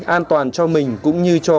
an toàn cho mình cũng như cho